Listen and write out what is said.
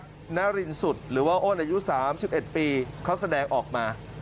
คุณนารินสุดหรือว่าอ้นอายุ๓๑ปีเขาแสดงออกมา